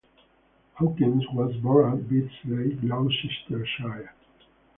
Hawkins was born at Bisley, Gloucestershire.